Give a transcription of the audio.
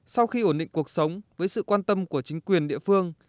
sau khi ổn định cuộc sống với sự quan tâm của chính quyền địa phương